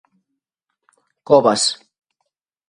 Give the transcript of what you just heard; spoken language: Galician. Covas.